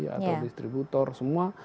atau distributor semua